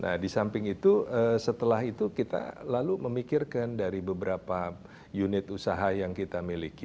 nah di samping itu setelah itu kita lalu memikirkan dari beberapa unit usaha yang kita miliki